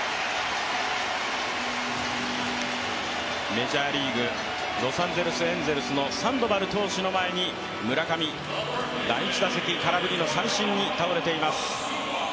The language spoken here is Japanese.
メジャーリーグ、ロサンゼルス・エンゼルスのサンドバル投手の前に村上、第１打席、空振りの三振に倒れています。